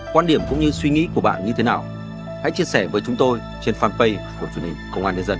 quan điểm cũng như suy nghĩ của bạn như thế nào hãy chia sẻ với chúng tôi trên fanpage của truyền hình công an nhân dân